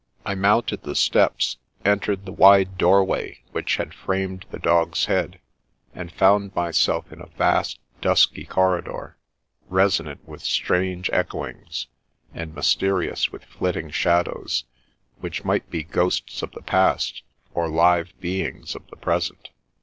I mounted the i«3 124 T^^ Princess Passes steps, entered the wide doorway which had framed the dog's head, and found myself in a vast, dusky corridor, resonant with strange echoings, and mys terious with flitting shadows, which might be ghosts of the past, or live beings of the present.